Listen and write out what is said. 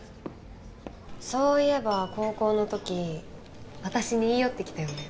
そういえば高校の時私に言い寄ってきたよね？